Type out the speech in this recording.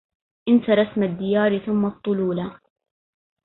انس رسم الديار ثم الطلولا